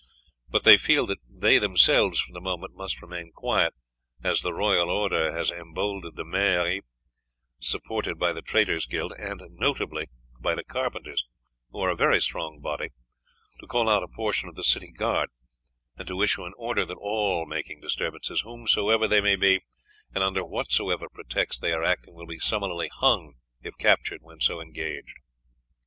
But they feel that they themselves for the moment must remain quiet, as the royal order has emboldened the Maire, supported by the traders' guilds, and notably by the carpenters, who are a very strong body, to call out a portion of the city guard, and to issue an order that all making disturbances, whomsoever they may be and under whatsoever pretext they are acting, will be summarily hung if captured when so engaged.